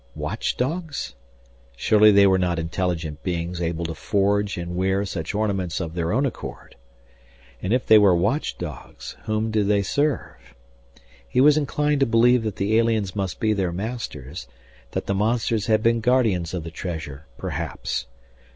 Watchdogs? Surely they were not intelligent beings able to forge and wear such ornaments of their own accord. And if they were watchdogs whom did they serve? He was inclined to believe that the aliens must be their masters, that the monsters had been guardians of the treasure, perhaps.